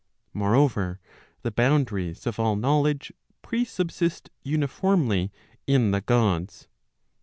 Moreover, the boundaries of all knowledge, presubsist uniformly in the Gods.